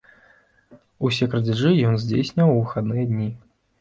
Усе крадзяжы ён здзяйсняў у выхадныя дні.